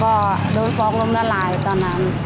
ก็โดนฟ้องลงนรายตอนนั้น